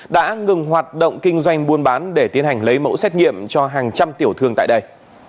đã ngừng hoạt động kinh doanh buôn bán để tiến hành lấy mẫu xét nghiệm cho hàng trăm tiểu thương tại đây